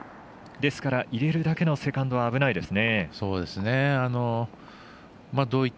ですから、入れるだけのセカンドは危ないですね。